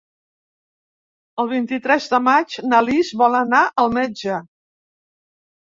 El vint-i-tres de maig na Lis vol anar al metge.